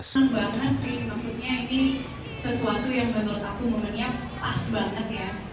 ini sesuatu yang menurut saya menarik